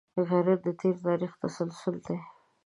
غیرت د تېر تاریخ تسلسل دی